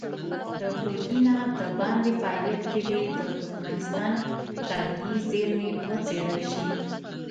د ټولګي نه د باندې فعالیت کې دې د ترکمنستان طبیعي زېرمې وڅېړل شي.